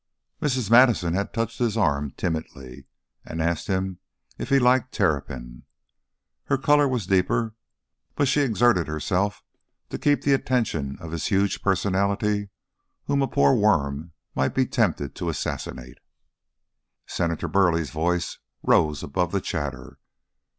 Mrs. Madison had touched his arm timidly, and asked him if he liked terrapin. Her colour was deeper, but she exerted herself to keep the attention of this huge personality whom a poor worm might be tempted to assassinate. Senator Burleigh's voice rose above the chatter.